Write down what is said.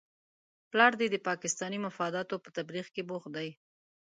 پلار دې د پاکستاني مفاداتو په تبلیغ کې بوخت دی؟